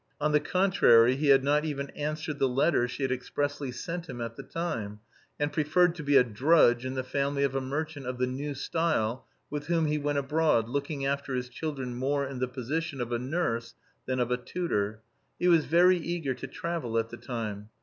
On the contrary he had not even answered the letter she had expressly sent him at the time, and preferred to be a drudge in the family of a merchant of the new style, with whom he went abroad, looking after his children more in the position of a nurse than of a tutor. He was very eager to travel at the time.